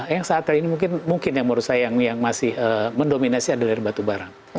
yang saat ini mungkin yang menurut saya yang masih mendominasi adalah dari batubara